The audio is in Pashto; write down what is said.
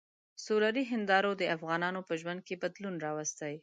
سولري هندارو د افغانانو په ژوند کې بدلون راوستی.